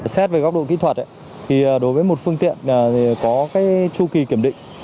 xét về góc độ kỹ thuật đối với một phương tiện có cái chu kỳ kiểm định